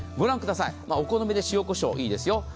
お好みで塩こしょういいですよ。